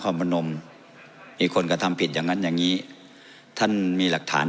พนมมีคนกระทำผิดอย่างงั้นอย่างงี้ท่านมีหลักฐาน